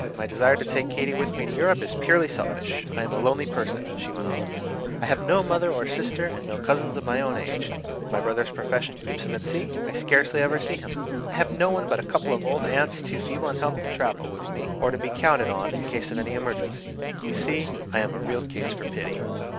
My desire to take Katy with me to Europe is purely selfish. I am a lonely person," she went on; "I have no mother or sister, and no cousins of my own age. My brother's profession keeps him at sea; I scarcely ever see him. I have no one but a couple of old aunts, too feeble in health to travel with me or to be counted on in case of any emergency. You see, I am a real case for pity."